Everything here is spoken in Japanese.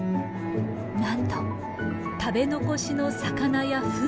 なんと食べ残しの魚やフンです。